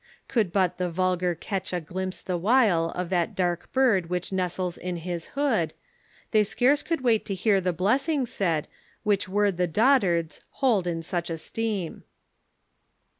Could but the vulgar catch a glimpse the while Of that dark bird whicli nestles in his hood, They scarce could wait to hear the blessing said, Which word the dotards hold in such esteem."